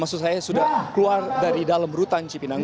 maksud saya sudah keluar dari dalam rutan cipinang